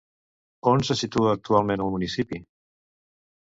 On se situa actualment el municipi?